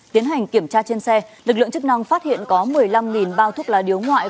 tiến hành kiểm tra trên xe lực lượng chức năng phát hiện có một mươi năm bao thuốc lá điếu ngoại